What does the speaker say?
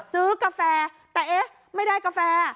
กาแฟแต่เอ๊ะไม่ได้กาแฟ